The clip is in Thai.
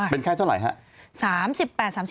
เป็นแค่เท่าไหร่ครับ